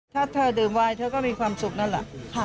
ถ้าเธอดื่มไวน์เธอก็มีความสุขนั่นแหละ